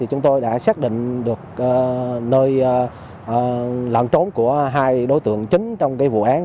chúng tôi đã xác định được nơi lẩn trốn của hai đối tượng chính trong vụ án